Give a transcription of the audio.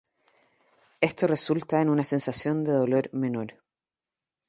Esto resulta en una sensación de dolor menor.